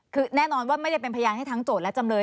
คือแน่นอนว่าไม่ได้เป็นพยานให้ทั้งโจทย์และจำเลย